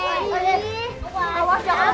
awas jangan pada wadah